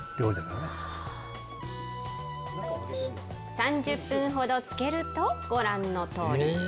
３０分ほど漬けるとご覧のとおり。